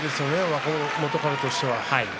若元春としては。